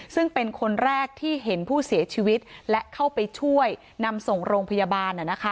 ซึ่งเป็นคนแรกที่เห็นผู้เสียชีวิตและเข้าไปช่วยนำส่งโรงพยาบาล